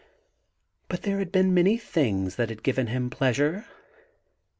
But there had been many things that had given him pleasure.